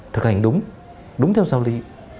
thực hành đúng đúng theo giao lý